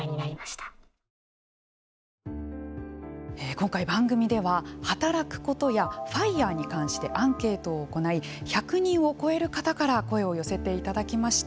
今回、番組では働くことやＦＩＲＥに関してアンケートを行い１００人を超える方から声を寄せていただきました。